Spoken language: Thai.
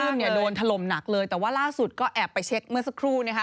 เนี่ยโดนถล่มหนักเลยแต่ว่าล่าสุดก็แอบไปเช็คเมื่อสักครู่นะคะ